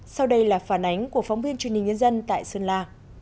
sau đây là phản ánh của phóng viên truyền hình nhân dân tại sơn la